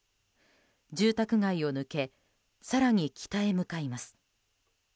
住宅街を抜け更に北へ向かいます。